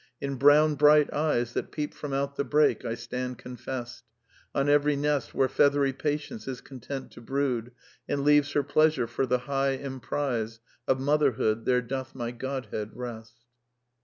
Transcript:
In brown bright eyes That peep from out the brake, I stand confest On every nest Where feathery Patience is content to brood And leaves her pleasure for the high emprize Of motherhood there doth my Qodhead rest."